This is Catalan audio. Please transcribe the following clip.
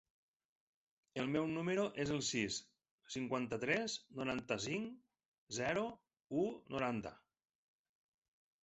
El meu número es el sis, cinquanta-tres, noranta-cinc, zero, u, noranta.